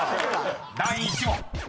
［第１問］